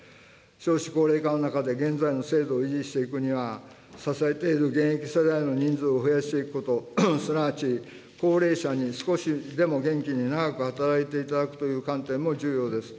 少子高齢化の中で現在の制度を維持していくには、支えている現役世代の人数を増やしていくこと、すなわち高齢者に少しでも元気に長く働いていただくという観点も重要です。